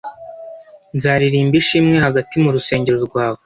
nzaririmba ishimwe hagati mu rusengero rwawe